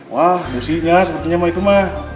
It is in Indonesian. wah businya sepertinya mah itu mah